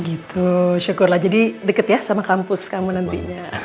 gitu syukurlah jadi deket ya sama kampus kamu nantinya